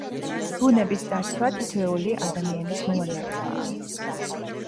ბუნების დაცვა თითოეული ადამიანის მოვალეობაა.